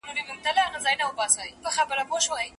استاد ته ښايي چي له خپلو شاګردانو سره مرسته وکړي.